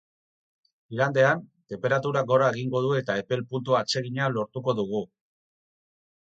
Igandean, tenperaturak gora egingo du eta epel puntu atsegina lortuko dugu.